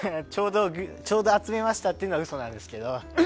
ちょうど集めましたっていうのは嘘なんですけど。